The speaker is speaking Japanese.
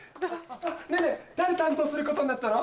ねぇねぇ誰担当することになったの？